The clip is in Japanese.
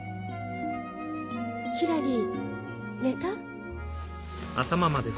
ひらり寝た？